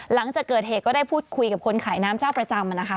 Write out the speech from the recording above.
หลังจากเกิดเหตุก็ได้พูดคุยกับคนขายน้ำเจ้าประจำนะคะ